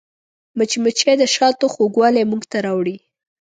مچمچۍ د شاتو خوږوالی موږ ته راوړي